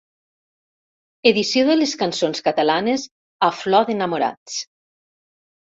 Edició de les cançons catalanes a Flor d'enamorats.